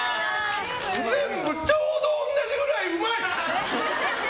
全部ちょうど同じぐらいうまい！